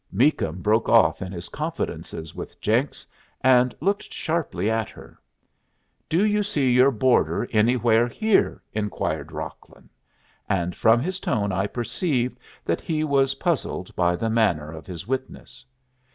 Meakum broke off in his confidences with Jenks, and looked sharply at her. "Do you see your boarder anywhere here?" inquired Rocklin; and from his tone I perceived that he was puzzled by the manner of his witness.